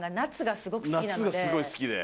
夏がすごい好きで。